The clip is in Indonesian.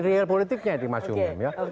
real politiknya di mas umim ya